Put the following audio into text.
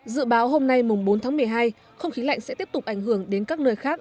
dự báo hôm nay bốn tháng một mươi hai không khí lạnh sẽ tiếp tục ảnh hưởng đến các nơi khác